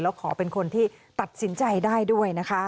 แล้วขอเป็นคนที่ตัดสินใจได้ด้วยนะคะ